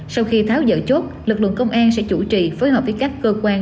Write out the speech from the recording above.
sau khi tháo dỡ chốt lực lượng công an sẽ chủ trì phối hợp với các cơ quan